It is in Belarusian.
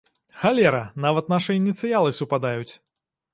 Халера, нават нашыя ініцыялы супадаюць!